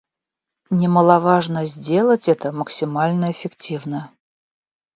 Немаловажно сделать это максимально эффективно